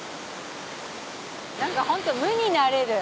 何かホント無になれる。